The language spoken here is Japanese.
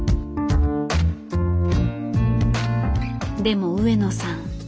でも上野さん